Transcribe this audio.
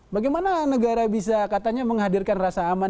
bagaimana negara bisa katanya menghadirkan rasa aman